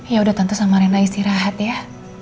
ya udah tentu sama rena istirahat ya